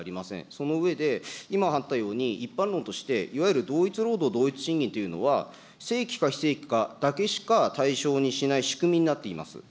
その上で、今あったように、一般論として、いわゆる同一労働同一賃金というのは、正規か非正規かだけしか対象にしない仕組みになっています。